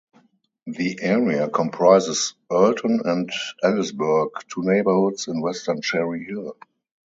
The area comprises Erlton and Ellisburg, two neighborhoods in western Cherry Hill.